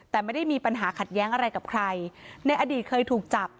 แต่ไม่ได้มีปัญหาขัดแย้งอะไรกับใครในอดีตเคยถูกจับ